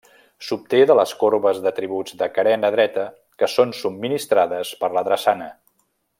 S'obté de les corbes d'atributs de carena dreta que són subministrades per la drassana.